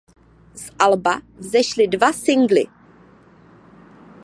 Z alba vzešly dva singly.